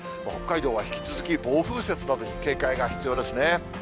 北海道は引き続き、暴風雪などに警戒が必要ですね。